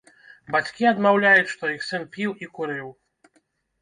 Бацькі адмаўляюць, што іх сын піў і курыў.